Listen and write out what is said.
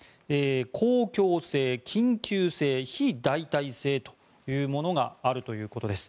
公共性、緊急性、非代替性というものがあるということです。